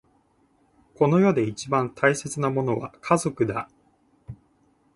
この世で一番大切なものは家族だ。